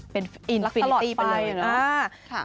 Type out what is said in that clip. เป็นอินฟินิตี้ไปเลย